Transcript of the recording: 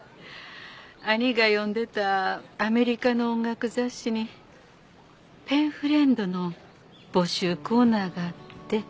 兄が読んでたアメリカの音楽雑誌にペンフレンドの募集コーナーがあって。